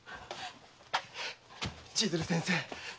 千鶴先生！